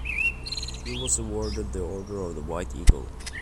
He was awarded the Order of the White Eagle.